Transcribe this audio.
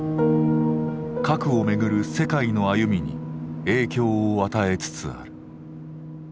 核をめぐる「世界の歩み」に影響を与えつつある。